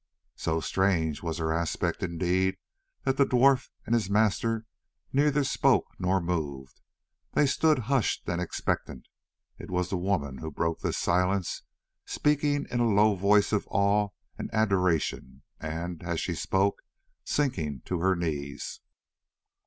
So strange was her aspect indeed that the dwarf and his master neither spoke nor moved; they stood hushed and expectant. It was the woman who broke this silence, speaking in a low voice of awe and adoration and, as she spoke, sinking to her knees.